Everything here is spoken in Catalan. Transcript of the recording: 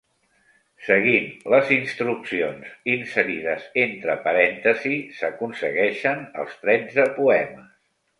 Seguint les instruccions inserides entre parèntesis s'aconsegueixen els tretze poemes.